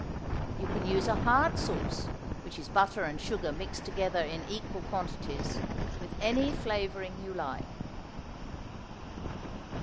You can use a hard sauce, which is butter and sugar mixed together in equal quantities, with any flavoring you like.